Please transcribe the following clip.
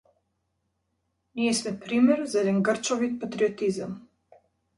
Ние сме пример за еден грчовит патриотизам.